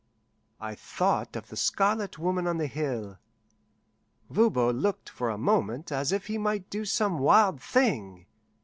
I thought of the Scarlet Woman on the hill. Voban looked for a moment as if he might do some wild thing.